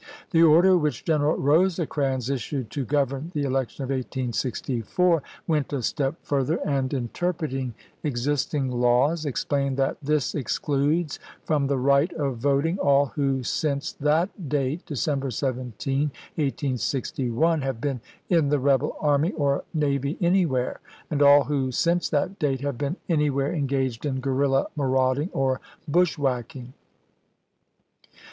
The order which General Eosecrans issued to govern the election of 1864 went a step further, and, interpreting existing laws, exiDlained that, " This excludes from the right of voting all who since that date [December 17, 1861] have been in the rebel army or navy anywhere, and all who, since that date, have been anywhere engaged in guen illa "c^ii ^ marauding or bushwhacking."